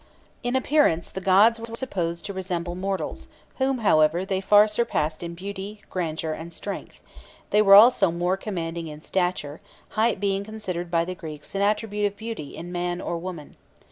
In appearance, the gods were supposed to resemble mortals, whom, however, they far surpassed in beauty, grandeur, and strength; they were also more commanding in stature, height being considered by the Greeks an attribute of beauty in man or woman.